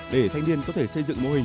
để thanh niên có thể xây dựng mô hình